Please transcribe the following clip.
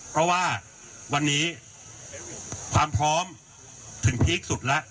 เพราะว่าวันนี้ความพร้อมถึงพีคสุดแล้ว